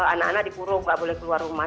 anak anak dikurung gak boleh keluar rumah